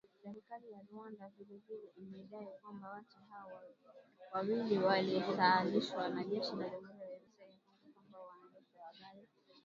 Serikali ya Rwanda vile vile imedai kwamba watu hao wawili waliasilishwa na jeshi la Jamuhuri ya Demokrasia ya Kongo kwa waandishi wa habari